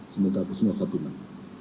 semoga semua khabimah